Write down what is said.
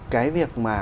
cái việc mà